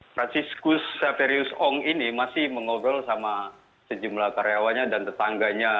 franciscus saferius ong ini masih mengobrol sama sejumlah karyawannya dan tetangganya